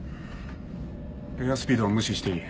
エアスピードは無視していい。